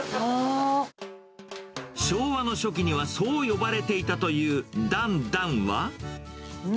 昭和の初期にはそう呼ばれていたという、だんだんは。